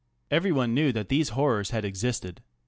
Everyone knew that these horrors had existed.